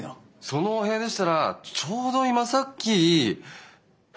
そのお部屋でしたらちょうど今さっき。